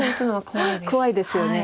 怖いですよね。